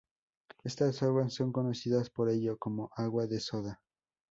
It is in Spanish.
Estas aguas son conocidas por ello como "agua de soda".